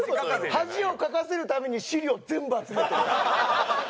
恥をかかせるために資料全部集めてるから。